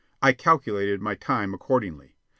I calculated my time accordingly.